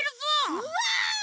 うわ！